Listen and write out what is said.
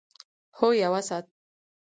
هو، یوه ساعت